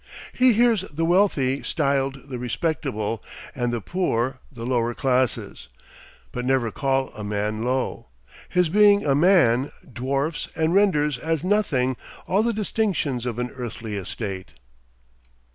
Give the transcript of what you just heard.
He hears the wealthy styled the respectable, and the poor, the lower classes; but never call a man low. His being a man dwarfs, and renders as nothing, all the distinctions of an earthly estate."